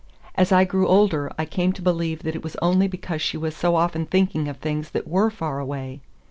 As I grew older, I came to believe that it was only because she was so often thinking of things that were far away.